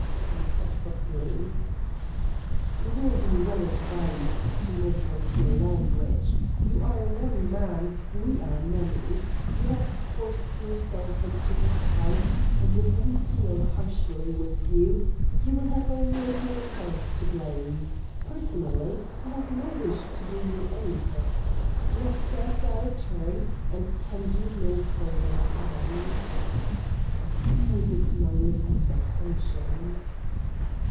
said I hotly. "You will be well advised to moderate your language. You are one man, we are many. You have forced yourself into this house, and, if we deal harshly with you, you will have only yourself to blame. Personally, I have no wish to do you any hurt. You have served our turn, and can do no further harm." I bit my lip in vexation.